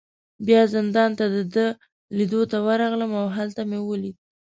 بیا زندان ته د ده لیدو ته ورغلم، او هلته مې ولید.